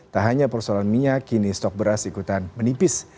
tak hanya persoalan minyak kini stok beras ikutan menipis